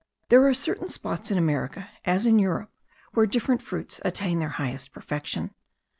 There are certain spots in America, as in Europe, where different fruits attain their highest perfection.